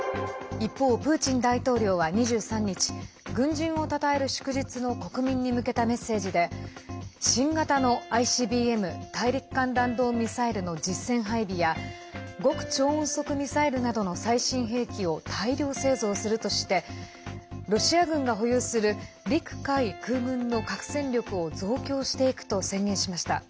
一方、プーチン大統領は２３日軍人をたたえる祝日の国民に向けたメッセージで新型のＩＣＢＭ＝大陸間弾道ミサイルの実戦配備や極超音速ミサイルなどの最新兵器を大量製造するとしてロシア軍が保有する陸海空軍の核戦力を増強していくと宣言しました。